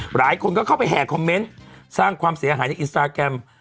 หลายคนก็เข้าไปแห่คอมเมนต์สร้างความเสียหายในอินสตาแกรม